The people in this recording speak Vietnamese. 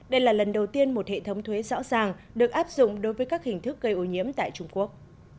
đây là lần đầu tiên một hệ thống thuế rõ ràng được áp dụng đối với các hình thức gây ô nhiễm tại trung quốc